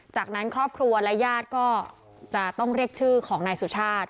จากนั้นครอบครัวและญาติก็จะต้องเรียกชื่อของนายสุชาติ